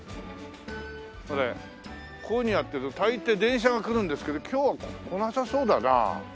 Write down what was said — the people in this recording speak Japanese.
こういうふうにやってると大抵電車が来るんですけど今日は来なさそうだな。